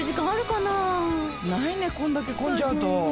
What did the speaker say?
ないねこんだけ混んじゃうと。